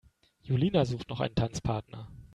Julina sucht noch einen Tanzpartner.